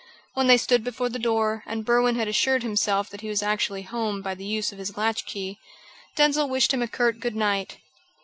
When they stood before the door, and Berwin had assured himself that he was actually home by the use of his latch key, Denzil wished him a curt good night.